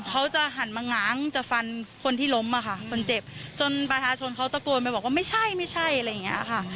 เขาจะหันมาง้างจะฟันคนที่ล้มอะค่ะคนเจ็บจนประชาชนเขาตะโกนไปบอกว่าไม่ใช่ไม่ใช่อะไรอย่างเงี้ยค่ะ